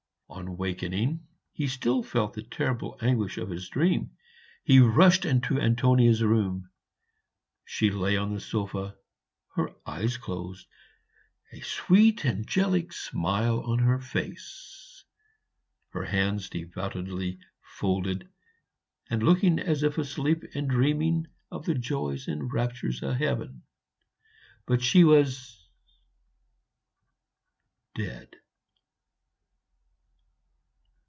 On awakening he still felt the terrible anguish of his dream. He rushed into Antonia's room. She lay on the sofa, her eyes closed, a sweet angelic smile on her face, her hands devoutly folded, and looking as if asleep and dreaming of the joys and raptures of heaven. But she was dead.